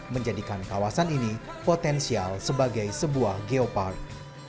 menjadikan kawasan ini potensial sebagai sebuah geopark